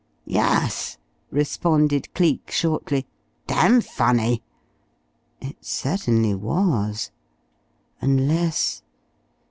"Yus," responded Cleek shortly. "Damn funny." It certainly was. Unless